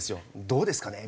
どうですかね？